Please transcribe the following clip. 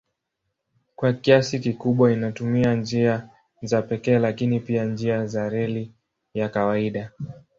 Kwa kiasi kikubwa inatumia njia za pekee lakini pia njia za reli ya kawaida.